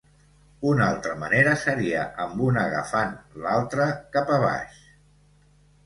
Una altra manera seria amb un agafant l'altre cap a baix.